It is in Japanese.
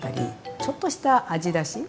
ちょっとした味だし。